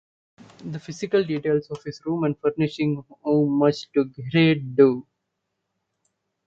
The physical details of his rooms and furnishings owe much to Gerrit Dou.